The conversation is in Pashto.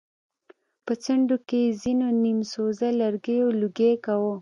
په څنډو کې يې ځېنو نيم سوزه لرګيو لوګی کوه.